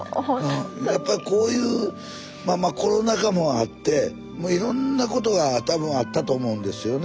やっぱこういうまあまあコロナ禍もあってもういろんなことが多分あったと思うんですよね。